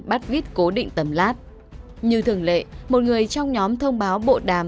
bắt vít cố định tầm lát như thường lệ một người trong nhóm thông báo bộ đàm